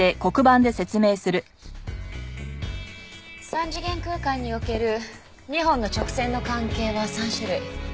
三次元空間における２本の直線の関係は３種類。